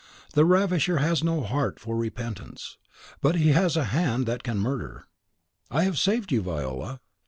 The ravisher has no heart for repentance, but he has a hand that can murder. I have saved you, Viola.